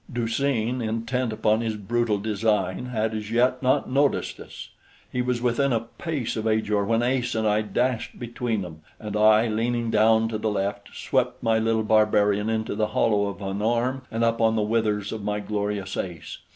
Du seen, intent upon his brutal design, had as yet not noticed us. He was within a pace of Ajor when Ace and I dashed between them, and I, leaning down to the left, swept my little barbarian into the hollow of an arm and up on the withers of my glorious Ace.